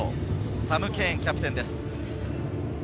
サム・ケインキャプテンです。